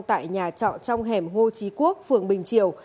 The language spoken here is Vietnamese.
tại nhà trọ trong hẻm hồ chí quốc phường bình triều